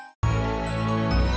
aku mau ke sana